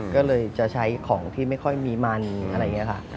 ก็เลยจะใช้ของที่ไม่ค่อยมีมันอะไรอย่างนี้ค่ะ